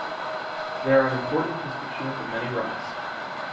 They are an important constituent of many rocks.